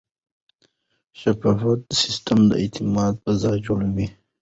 شفاف سیستم د اعتماد فضا جوړوي.